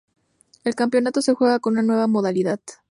El campeonato se juega con una nueva modalidad.